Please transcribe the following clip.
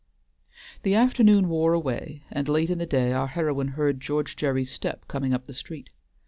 The afternoon wore away, and late in the day our heroine heard George Gerry's step coming up the street.